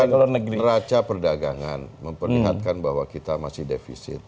kalau misalkan raca perdagangan memperlihatkan bahwa kita masih defisit